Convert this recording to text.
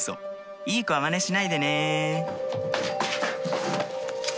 良い子は真似しないでね」